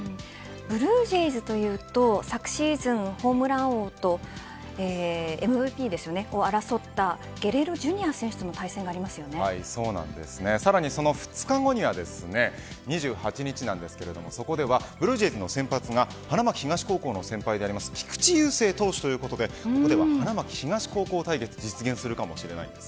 ブルージェイズというと昨シーズン、ホームラン王とＭＶＰを争ったゲレーロＪｒ．選手とのさらにその２日後には２８日ですがブルージェイズの先発が花巻東高校の先輩の菊池雄星投手ということでここでは花巻東高校対決が実現するかもしれません。